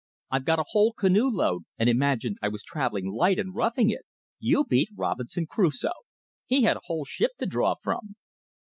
I've got a whole canoe load, and imagined I was travelling light and roughing it. You beat Robinson Crusoe! He had a whole ship to draw from."